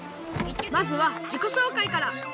まずはじこしょうかいから！